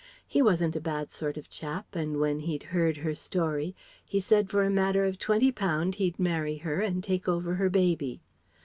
He wasn't a bad sort of chap and when he'd heard her story he said for a matter of twenty pound he'd marry her and take over her baby.